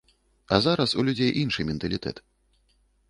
А зараз у людзей іншы менталітэт.